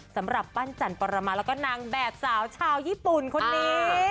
สำหรับปั้นจันปรมาแล้วก็นางแบบสาวชาวญี่ปุ่นคนนี้